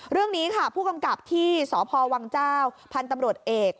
เรื่องนี้ค่ะผู้กำกับที่สพวังเจ้าพันธุ์ตำรวจเอก